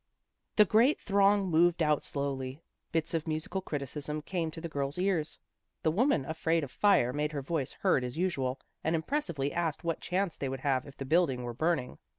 The great throng moved out slowly. Bits of musical criticism came to the girls' ears. The woman afraid of fire made her voice heard as usual, and impressively asked what chance they would have if the building were burning.